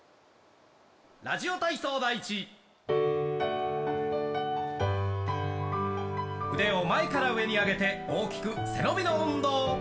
・ラジオ体操第一・腕を前から上に上げて大きく背伸びの運動